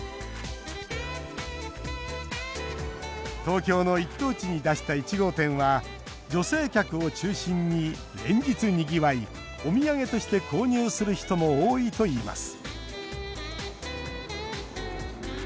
東京の一等地に出した１号店は女性客を中心に連日にぎわいお土産として購入する人も多いといいます